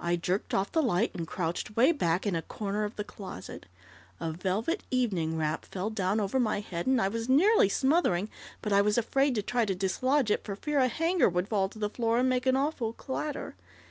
I jerked off the light, and crouched way back in a corner of the closet. A velvet evening wrap fell down over my head, and I was nearly smothering, but I was afraid to try to dislodge it for fear a hanger would fall to the floor and make an awful clatter.